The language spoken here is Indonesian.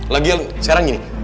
lagian sekarang gini